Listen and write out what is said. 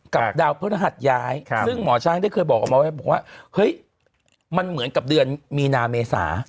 กับดาวพฤหัสย้ายซึ่งหมอช้างได้เคยบอกมาว่าเฮ้ยมันเหมือนกับเดือนมีนาเมษา